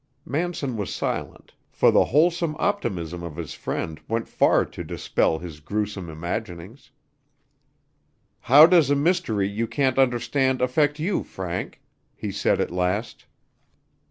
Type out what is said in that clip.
Manson was silent, for the wholesome optimism of his friend went far to dispel his grewsome imaginings. "How does a mystery you can't understand affect you, Frank?" he said at last.